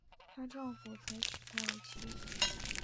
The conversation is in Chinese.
她丈夫才娶她为妻